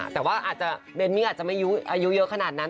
แต่ว่าอาจจะเบนมี่อาจจะไม่อายุเยอะขนาดนั้น